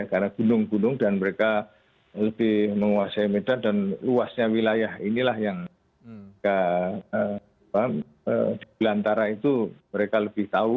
karena gunung gunung dan mereka lebih menguasai medan dan luasnya wilayah inilah yang di antara itu mereka lebih tahu